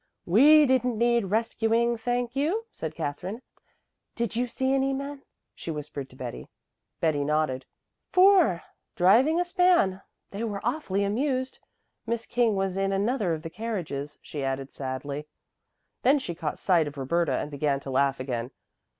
"We didn't need rescuing, thank you," said Katherine. "Did you see any men?" she whispered to Betty. Betty nodded. "Four, driving a span. They were awfully amused. Miss King was in another of the carriages," she added sadly. Then she caught sight of Roberta and began to laugh again.